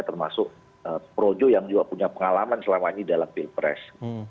termasuk projo yang juga punya pengalaman selama ini dalam pilpres